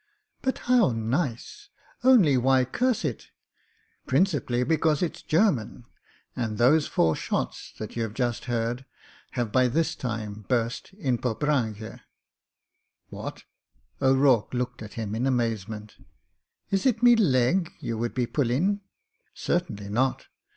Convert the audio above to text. "But how nice! Only, why curse it?" "Principally because it's German; and those four shots that you have just heard have by this time burst in Poperinghe." "Whatl" O'Rourke looked at him in amazement Is it my leg you would be pulling?" Certainly not.